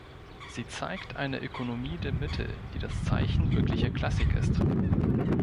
Sie zeigt eine Ökonomie der Mittel, die das Zeichen wirklicher Klassik ist“.